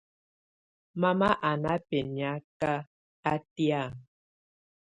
Mama á na bɛniaka átɛ̀á.